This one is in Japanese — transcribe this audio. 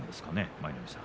舞の海さん。